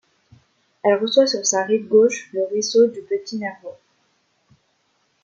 Elle reçoit sur sa rive gauche le ruisseau du Petit-Nerveau.